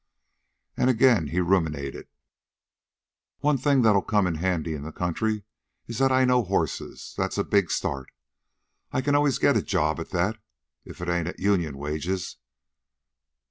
And, again, he ruminated: "One thing that'll come handy in the country is that I know horses; that's a big start. I can always get a job at that if it ain't at union wages.